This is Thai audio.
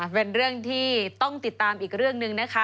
เป็นเรื่องที่ต้องติดตามอีกเรื่องหนึ่งนะคะ